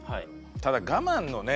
ただ我慢のね